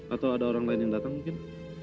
atau ada orang lain yang datang mungkin